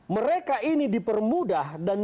mereka ini dipermudah dan